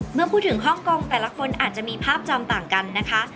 เมื่อพูดถึงฮ่องกงแต่ละคนอาจจะมีภาพจำต่างกันนะคะ